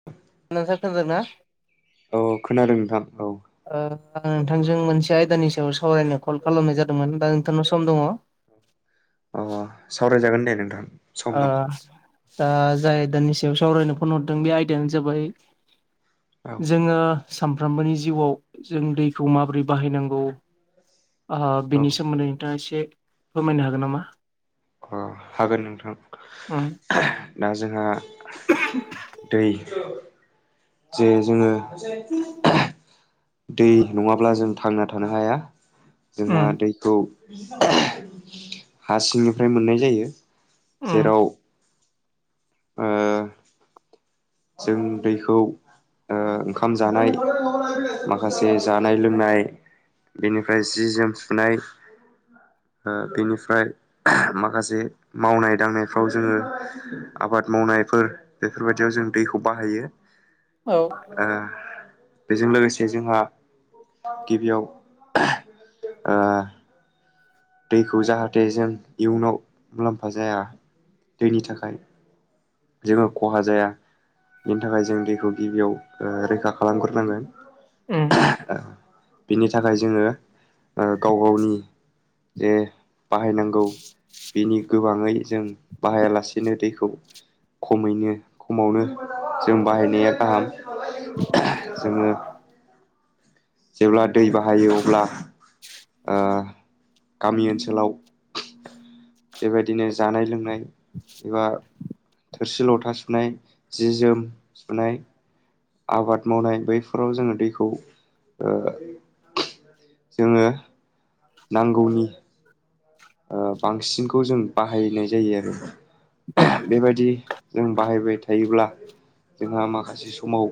[inaudible] नोंसार खोनादोंना औ खोनादों नोंथां औ। ओ आं नोंथांजों मोनसे आयदानि सायाव सावरायनो कल खालामनाय जादोंमोन दा नोंथांनाव सम दङ? अ सावरायजागोन दे नोंथां सम दं दा जाय आयदानि सायाव सावरायनो फन हरदों बे आयदायानो जाबाय औ जोङो सानफ्रोमबोनि जिउआव जों दैखौ माबोरै बाहायनांगौ आहो औ बिनि सोमोन्दै नोंथाङा एसे फोरमायनो हागोन नामा अ हागोन नोंथां उ दा जोंहा दै जे जोङो दै नङाब्ला जों थांना थानो हाया जोंहा उम दैखौ हा सिंनिफ्राय मोननाय जायो उम जेराव ओ जों दैखौ ओ ओंखाम जानाय माखासे जानाय लोंनाय बेनिफ्राय जि जोम सुनाय ओ बेनिफ्राय माखासे मावनाय दांनायफ्राव जोङो आबाद मावनायफोर बेफोरबायदियाव जों दैखौ बाहायो औ ओ बेजों लोगोसे जोंहा गिबियाव ओ दैखौ जाहाथे जों इयुनाव मुलाम्फा जाया दैनि थाखाय जोङो खहा जाया बेनि थाखाय जों दैखौ गिबियाव रैखा ओ खालामग्रोनांगोन उम बिनि थाखाय जोङो गाव गावनि जे बाहायनांगौ बिनि गोबाङै जों बाहायालासिनो दैखौ खमैनो खमावनो जों बाहायनाया गाहाम जोङो जेब्ला दै बाहायो अब्ला ओ गामि ओनसोलाव बेबायदिनो जानाय लोंनाय एबा थोरसि लथा सुनाय जि जोम सुनाय आबाद मावनाय बैफोराव जोङो दैखौ ओ जोङो नांगौनि [inaudible] ओ बांसिनखौ जों बाहायनाय जायो उम आरो बेबायदि जों बाहायबाय थायोब्ला जोंहा माखासे समाव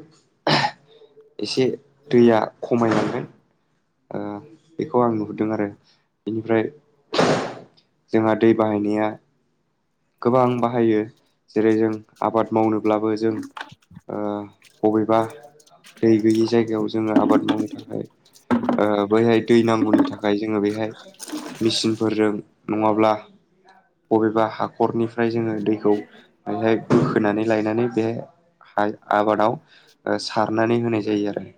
एसे दैया खमायनांगोन ओ बेखौ आं नुहुरदों आरो बेनिफ्राय जोंहा दै बाहायनाया गोबां बाहायो जेरै जों आबाद मावनोब्लाबो जों ओ बबेबा दै गैयि जायगायाव जोङो आबाद मावनो थाखाय ओ बैहाय दै नांगौनि थाखाय जोङो बेहाय मेचिनफोरजों नङाब्ला बबेबा हा हरनिफ्राय जोङो दैखौ बेहाय बोखोनानै लायनानै बेहाय आबादाव सारनानै होनाय जायो आरो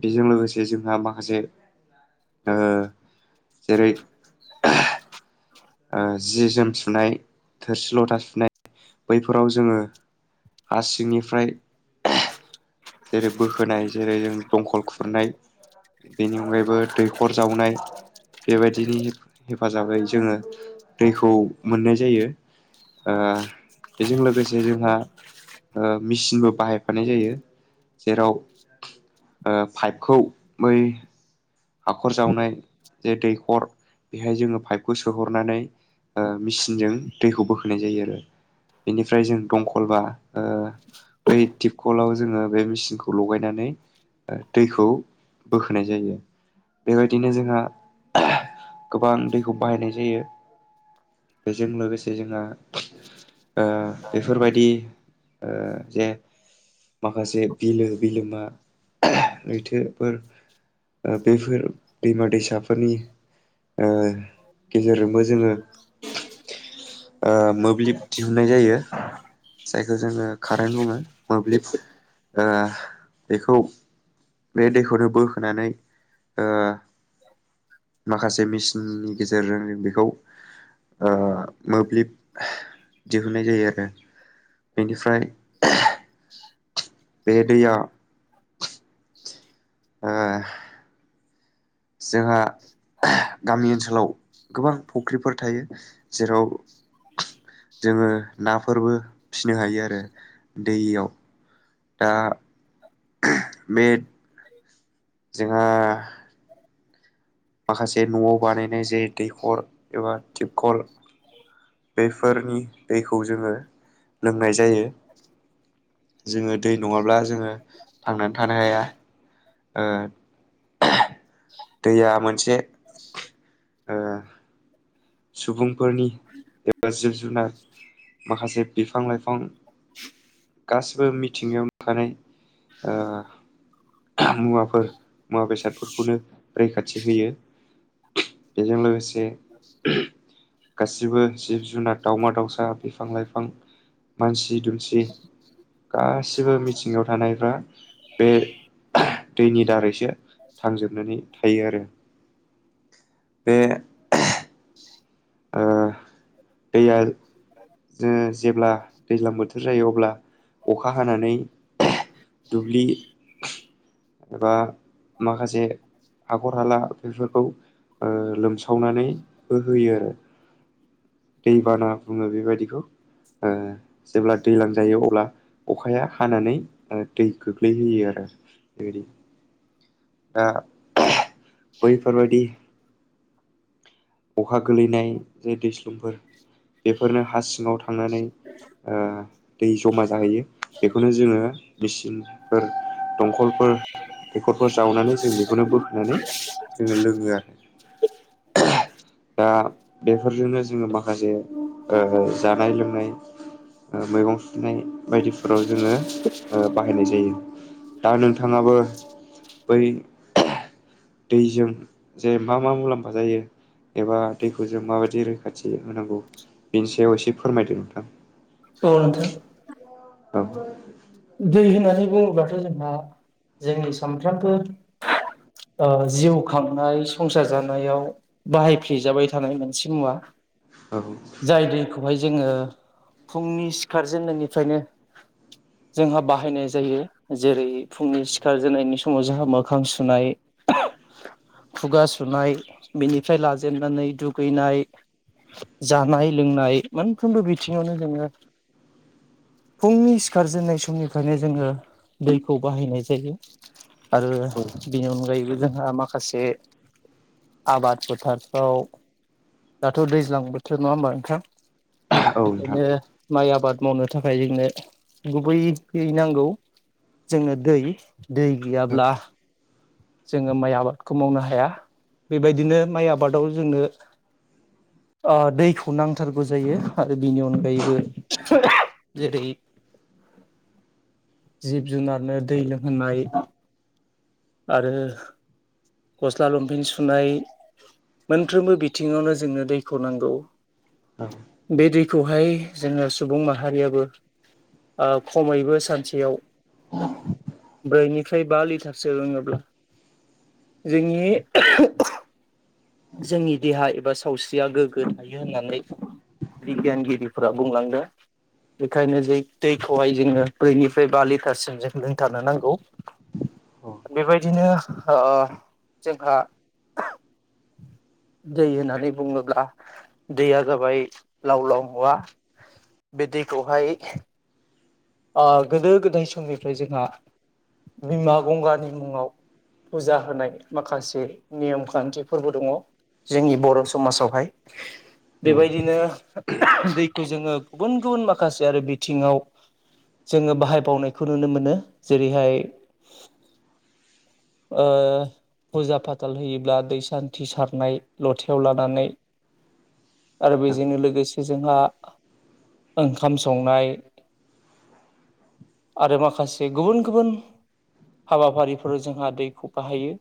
बेजों लोगोसे जोंहा माखासे ओ जेरै ओ जि जोम सुनाय थोरसि लथा सुनाय बैफोराव जोङो हासिंनिफ्राय जेरै बोहोनाय जेरै जों दंखल खुरनाय बेनि अनगायैबो दैखर जावनाय बेबायदिनि हेफाजाबै जोङो दैखौ मोननाय जायो ओ बेजों लोगोसे जोंहा मेसिनबो बाहायफानाय जायो जेराव ओ पाइपखौ बै हाखर जावनाय जे दैखर बेहाय जोङो पाइपखौ सोहरनानै ओ मेसिनजों दैखौ बोखोनाय जायो आरो बेनिफ्राय जों दंखलबा ओ बै टिपकलाव जोङो बे मेसिनखौ लगायनानै दैखौ बोखोनाय जायो बेबायदिनो जोंहा गोबां दैखौ बाहायनाय जायो बेजों लोगोसे जोंहा ओ बेफोरबायदि ओ जे माखासे बिलो बिलोमा लैथोफोर ओ बेफोर दैमा दैसाफोरनि गेजेरजोंबो जोङो मोब्लिब दिहुनन्नाय जायो जायखौ जोङो कारेन्ट हमो मोब्लिब बेखौ बे दैखौनो बोखोनानै माखासे मेसिननि गेजेरजों बेखौ मोब्लिब दिहुनन्नाय जायो आरो बेनिफ्राय [unintelligible] बेे दैया ओ जोंहा गामि ओनसोलाव गोबां फुख्रिफोर थायो जेराव जोङो नाफोरबो फिनो हायो आरो दैयाव दा बे जोंहा माखासे न'आव बानायनाय जे दैखर एबा टिबखल बेफोरनि दैखौ जोङो लोंनाय जायो जोङो दै नङाब्ला जोङो थांनानै थानो हाया आ दैया मोनसे सुबुंफोरनि एबा जिब जुनार माखासे बिफां लाइफां गासिबो मिथिंगायाव नुखानाय ओ मुवाफोर मुवा बेसादफोरखौनो रैखाथि होयो बेजों लोगोसे [unintelligible] गासिबो जिब जुनार दावमा दाउसा बिफां लाइफां मानसि दुमसि गासिबो मिथिगायाव थानायफ्रा बे दैनि दारैसो थांजोबनानै थायो आरो बे दैैया जो जेब्ला दैज्लां बोथोर जायो अब्ला अखा हानानै दुब्लि एबा माखासे हाखर हाला बेफोरखौ ओ लोमसावनानैबो होयो आरो। दैबाना बुङो बेबायदिखौ ओ जेब्ला दैजलां जायो अब्ला अखाया हानानै आरो दै खोख्लैहयो आरो बेबायदि ओ बैफोरबायदि अखा गोलैनाय जे दैस्लुंफोर बेफोरनो हा सिङाव थांनानै दै जमा जाहैयो बेखौनो जोङो मेचिनफोर दंखलफोर दैखरफोर जावनानै जों बेखौनो बोखोननानै जोङो लोङो आरो दा बेफोरजोंनो जोङो माखासे जानाय लोंनाय मैगं सुनाय बायदिफोराव जोङो ओ बाहायनाय जायो। दा नोंथाङाबो बै दैजों जे मा मा मुलाम्फा जायो एबा दैखौ जों माबायदि रैखाथि होनांगौ बेनि सायाव एसे फोरमायदो नोंथां। अ' नोंथां। औ। दै होननानै बुङोब्लाथ' जोंहा जोंनि सानफ्रामबो ओ जिउ खांनाय संसार जानायाव बाहायफ्लेजाबाय थानाय मोनसे मुवा। औ। जाय दैखौहाय जोङो फुंनि सिखारजेननायनिफ्रायनो जोंहा बाहायनाय जायो जेरै फुंनि सिखार जेननायनि समाव जोंहा मोखां सुनाय खुगा सुनाय बेनिफ्राय लाजेननानै दुगैनाय जानाय लोंनाय मोनफ्रोमबो बिथिङावनो जोङो फुंनि सि खारजेननाय समनिफ्रायनो जोङो दैखौ बाहायनाय जायो। आरो बेनि अनगायैबो जोंहा माखासे आबाद फोथारफ्राव दाथ' दैज्लां बोथोर नङा होमबा नोंथां। औ औ नोंथां बेखायनो माइ आबाद मावनो थाखाय जोंनो गुबै दै नांगौ जोंङो दै दै ओ गैयाब्ला जोङो माइ आबादखौ मावनो हाया बेबायदिनो माइ आबादाव जोंनो ओ दैखौ नांथारगौ जायो आरो बिनि अनगायैबो जेरै जिब जुनारनो दै लोंहोनाय। आरो गस्ला लंफेेन सुनाय मोनफ्रोमबो बिथिङावनो जोंनो दैखौ नांगौ। औ। बे दैखौहाय जोङो सुबुं माहारियाबो ओ खमैबो सानसेयाव ब्रैनिफ्राय बा लिटारसो लोङोब्ला जोंनि जोंनि देहा एबा सावस्रिया गोग्गो थायो होननानै बिगियानगिरिफोरा बुंलांदों। बेखायनो जै दैखौहाय जोङो ब्रैनिफ्राय बा लिटारसिम जों लोंथारनो नांगौ। बेबायदिनो ओ जोंहा दै होननानै बुङोब्ला दैया जाबाय लाव लाव मुवा। बे दैखौहाय गोदो गोदाय समनिफ्राय जोंहा बिमा गंगानि मुंङाव फुजा होनाय माखासे नेम खान्थिफोरबो दंङ। जोंनि बर' समाजावहाय औ बेबायदिनो दैखौ जोंङो गुबुन गुबुन माखासे आरो बिथिङाव जोंङो बाहाय बावनायखौ नुनो मोनो जेरैहाय फुजा फाथाल होयोब्ला दै सान्थि सारनाय लथायाव लानानै आरो औ बेजोंनो लोगोसे जोंहा ओंखाम संनाय आरो माखासे गुबुन गुबुन हाबाफारिफोराव जोंहा दैखौ बाहायो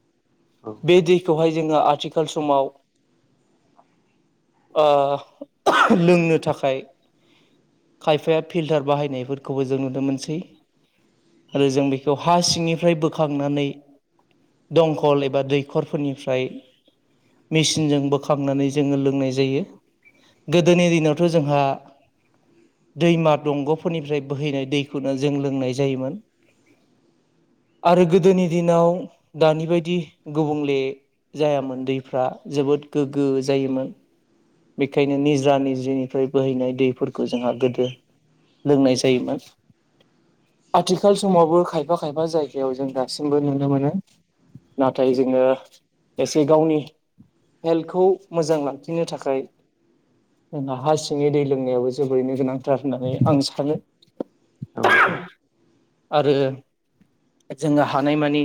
औ बे दैखौहाय जोङो आथिखाल समाव ओ लोंनो थाखाय खायफाया फिल्टार बाहायनायफोरखौबो जों नुनो मोनसै। आरो जों बेखौ हा सिंनिफ्राय बोखांनानै दंखल एबा दैखरफोरनिफ्राय मिसिनजों बोखांनानै जोङो लोंनाय जायो। गोदोनि दिनावथ' जोंहा दैमा दंग'फोरनिफ्राय बोहैनाय दैयखौनो जों लोंनाय जायोमोन। आरो गोदोनि दिनाव दानि बायदि गुबुंले जायामोन दैफ्रा जोबोद गोग्गो जायोमोन। बेखायनो निजा निजिनिफ्राय बोहैनाय दैफोरखौ जोंहा गोदो लोंनाय जायोमोन। आथिखाल समावबो खायफा खायफा जायगायाव जों दासिमबो नुनो मोनो। नाथाय जोंङो एसे गावनि हेल्थखौ मोजां लांफिननो थाखाय दै जोंना हा सिंगनि दै लोंनायाबो जोबोरैनो गोनांथार होननानै आं सानो। नोंथां आरो जोंङो हानायमानि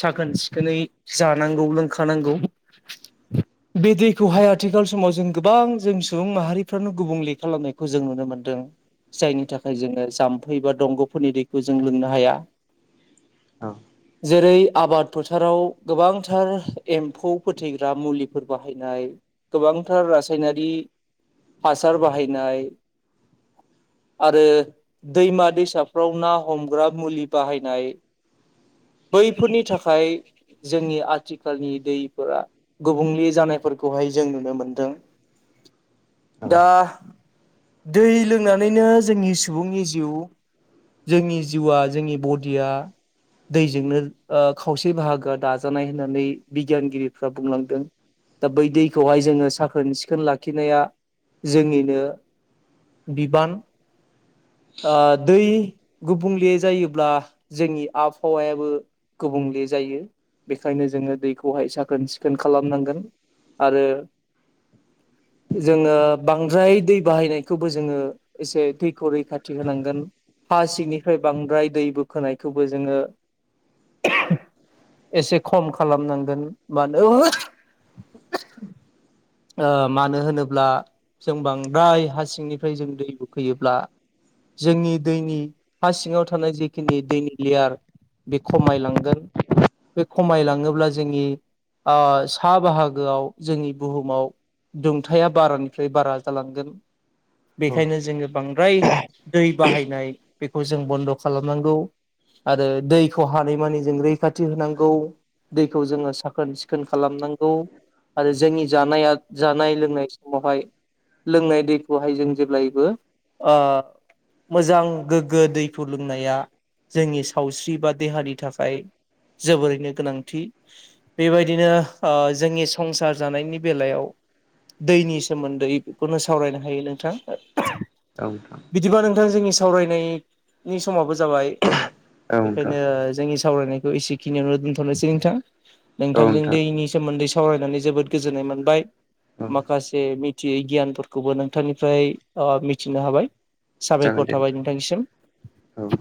साखोन सिखोनै जानांगौव लोंखानांगौ बे दैखौहाय आथिखाल समाव जों गोबां जों सुबुं माहारिफ्रानो गुबुंले खालामनायखौ जों नुनो मोनदों। जायनि थाखाय जोंङो जाम्फै बा दंग'फोरनि दैखौ जों लोंनो हाया। औ जेरै आबाद फोथाराव गोबांथार एम्फौ फोथैग्रा मुलिफोर बाहायनाय गोबांथार रासायनारि हासार बाहायनाय आरो दैमा दैसाफ्राव ना हमग्रा मुलि बाहायनाय बैफोरनि थाखाय जोंनि आथिखालनि दैफोरा गुबुंले जानायफोरखौहाय जों नुनो मोनदों औ दा दै लोंनानैयनो जोंनि सुबुंनि जिउ जोंनि जिउआ जोंनि बडिया दैजोंनो खावसे बाहागोआ दाजानाय होननानै बिगियानगिरिफ्रा बुंलांदों। दा बै दैखौहाय जोंङो साखोन सिखोन लाखिनाया जोंनिनो बिबान दै गुबुंले जायोब्ला जोंनि आबहावायाबो गुबुंले जायो बेखायनो जोंङो दैखौहाय साखोन सिखोन खालामनांगोन। आरो जोंङो बांद्राय दै बाहायनायखौबो जोंङो एसे दैखौ रैखाथि होनांगोन। हासिगनिफ्राय बांद्राय दै बोखोनायखौबो जोंङो एसे खम खालामनांगोन मानो मानो होनोब्ला जों बांद्राय हा सिंनिफ्राय जों दै बोखोयोब्ला जोंनि दैनि हा सिङाव थानाय जेखिनि दैनि लेयार बे खमायलांगोन बे खमायलाङोब्ला जोंनि ओ साहा बाहाग गोआव जोंनि बुहुमाव दुंथाया बारानिफ्राय बारा जालांगोन। बेखायनो औ जोङो बांद्राय दै बाहायनाय बेखौ जों बन्द' खालामनांगौ। आरो दैखौ हानायमानि जों रैखाथि होनांगौ। दैखौ जोङो साखोन सिखोन खालामनांगौ। आरो जोंनि जानाया जानाय लोंनाय समावहाय लोंनाय दैखौहाय जों जेब्लायबो मोजां गोग्गो दैखौ लोंनाया जोंनि सावस्रि बा देहानि थाखाय जोबोरैनो गोनांथि बेबायदिनो जोंनि संसार जानायनि बेलायाव दैनि सोमोन्दै बेखौनो सावरायनो हायो नोंथां। औ नोंथां। बिदिबा नोंथां जोंनि सावरायनायनि समाबो जाबाय बेखायनो औ जोंनि सावरायनायखौ एसेखिनियावनो दोनथ'नोसै नोंथां नोंथांजों नोंथां दैनि सोमोन्दै साव सावरायनानै जोबोद गोजोननाय मोनबाय। औ माखासे मिथियै गियानफोरखौबो ओ नोंथांनिफ्राय मिथिनो हाबाय। जागोन साबायखर दे थाबाय नोंथांनिसिम। औ